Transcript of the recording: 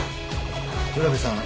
占部さん